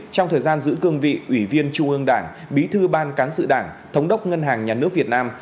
trong thời gian giữ cương vị ủy viên trung ương đảng bí thư ban cán sự đảng thống đốc ngân hàng nhà nước việt nam